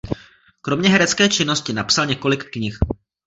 Kromě herecké činnosti napsal několik knih.